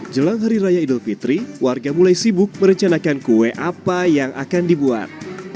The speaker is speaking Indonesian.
jelang hari raya idul fitri warga mulai sibuk merencanakan kue apa yang akan dibuat